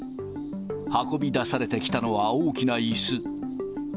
運び出されてきたのは大きないす。